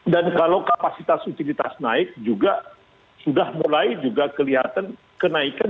dan kalau kapasitas utilitas naik juga sudah mulai juga kelihatan kenaikan